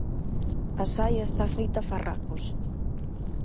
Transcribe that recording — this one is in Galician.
A saia está feita farrapos.